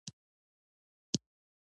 افغانستان د دریابونه له امله شهرت لري.